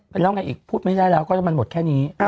เป็นแล้วไงอีกพูดไม่ได้แล้วก็มันหมดแค่นี้